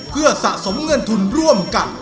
เพื่อสะสมเงินทุนร่วมกัน